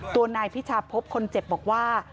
ตัวนายพิชาพบคนเจ็บบอกว่า